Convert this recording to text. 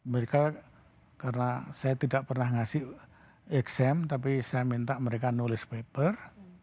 mereka karena saya tidak pernah ngasih xm tapi saya minta mereka nulis paper